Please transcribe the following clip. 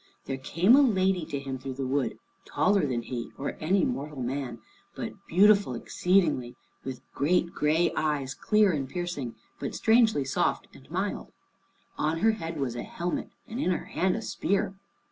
There came a lady to him through the wood, taller than he, or any mortal man, but beautiful exceedingly, with great gray eyes, clear and piercing, but strangely soft and mild. On her head was a helmet, and in her hand a spear.